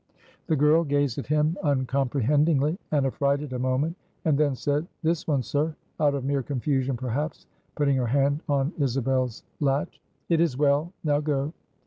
The girl gazed at him uncomprehendingly and affrighted a moment; and then said, "This one, sir" out of mere confusion perhaps, putting her hand on Isabel's latch. "It is well. Now go."